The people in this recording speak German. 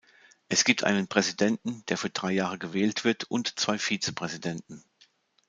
Es gibt einen Präsidenten, der für drei Jahre gewählt wird, und zwei Vizepräsidenten.